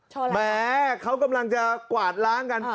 แหมเขากำลังจะกวาดล้างกัน